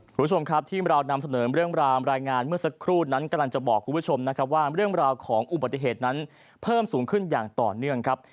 คุณผู้ชมครับที่เรานำเสนอเรื่องราวรายงานเมื่อสักครู่นั้นกำลังจะบอกคุณผู้ชมนะครับว่าเรื่องราวของอุบัติเหตุนั้นเพิ่มสูงขึ้นอย่างต่อเนื่องครับ